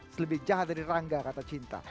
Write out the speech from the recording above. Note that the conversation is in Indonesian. selebih jahat dari rangga kata cinta